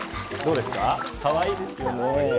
かわいいですよね。